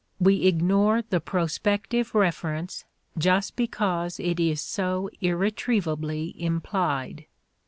We ignore the prospective reference just because it is so irretrievably implied.